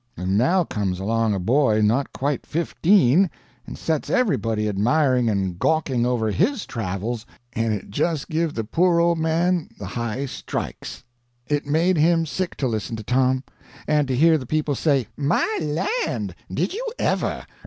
And now comes along a boy not quite fifteen, and sets everybody admiring and gawking over his travels, and it just give the poor old man the high strikes. It made him sick to listen to Tom, and to hear the people say "My land!" "Did you ever!"